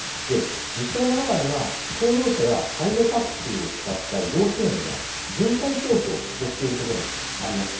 自治体の中には、公用車や介護タクシーを使った移動支援や、巡回投票をしている所もあります。